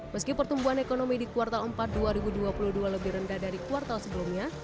meski pertumbuhan ekonomi di kuartal empat dua ribu dua puluh dua lebih rendah dari kuartal sebelumnya